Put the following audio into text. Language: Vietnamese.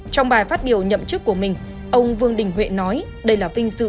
trong bài phát biểu nhậm chức của mình ông vương đình huệ nói đây là vinh dự